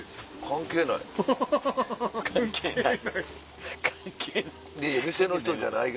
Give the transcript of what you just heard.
関係ない。